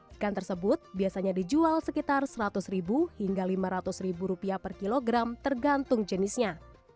ikan tersebut biasanya dijual sekitar seratus ribu hingga lima ratus per kilogram tergantung jenisnya